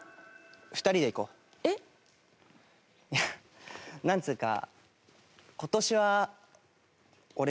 いやなんつうか。